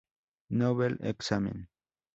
Nouvel examen.